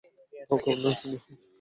কাউকে আপনার সন্দেহ হয়?